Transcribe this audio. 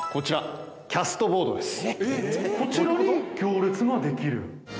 こちらに行列ができる。